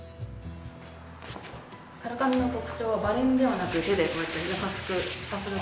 から紙の特徴はバレンではなく手でこうやって優しくさする事が。